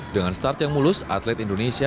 dengan start yang mulus atlet indonesia